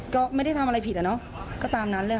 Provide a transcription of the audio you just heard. ก็ไม่ได้ทำอะไรผิดอะเนาะก็ตามนั้นเลยค่ะ